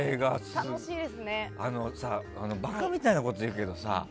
バカみたいなこと言うけどさ